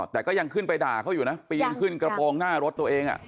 แต่ก็ยังขึ้นไปด่าเขาอยู่นะปีนขึ้นกระโปรงหน้ารถตัวเอง